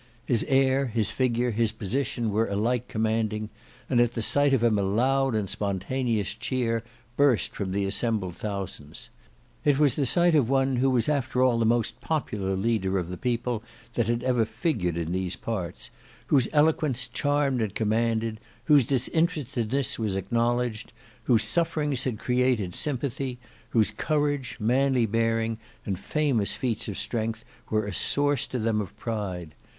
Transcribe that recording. His air, his figure, his position were alike commanding, and at the sight of him a loud and spontaneous cheer burst from the assembled thousands. It was the sight of one who was after all the most popular leader of the people that had ever figured in these parts, whose eloquence charmed and commanded, whose disinterestedness was acknowledged, whose sufferings had created sympathy, whose courage, manly bearing, and famous feats of strength were a source to them of pride.